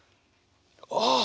ああ！